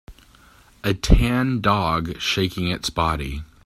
a tan dog shaking its body